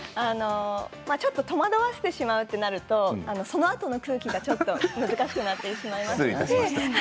ちょっと戸惑わせてしまうとなると、そのあとの空気がちょっと失礼いたしました。